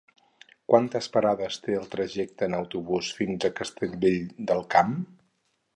Quantes parades té el trajecte en autobús fins a Castellvell del Camp?